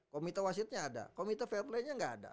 komite wasitnya ada komite fair playnya gak ada